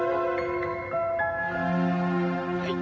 はい。